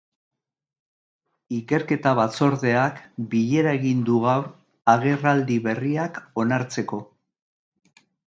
Ikerketa batzordeak bilera egin du gaur agerraldi berriak onartzeko.